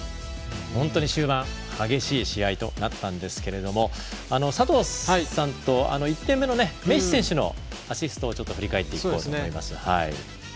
本当に終盤激しい試合となったんですが佐藤さんと１点目のメッシ選手のアシストをちょっと振り返っていこうと思います。